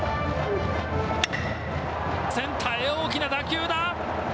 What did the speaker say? センターへ、大きな打球だ。